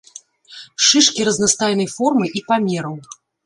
Шышкі разнастайнай формы і памераў.